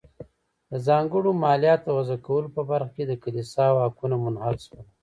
د ځانګړو مالیاتو د وضع کولو په برخه کې د کلیسا واکونه منحل شول.